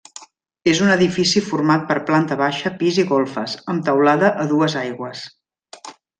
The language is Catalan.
És un edifici format per planta baixa, pis i golfes, amb teulada a dues aigües.